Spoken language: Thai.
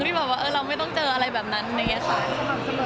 ที่บอกว่าเราไม่ต้องเจออะไรแบบนั้นอะไรอย่างนี้ค่ะ